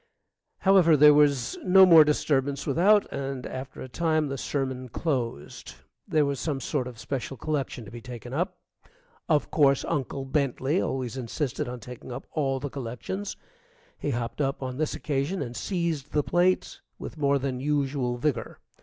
However, there was no more disturbance without, and after a time the sermon closed. There was some sort of a special collection to be taken up. Of course, Uncle Bentley always insisted on taking up all the collections. He hopped up on this occasion and seized the plate with more than usual vigor.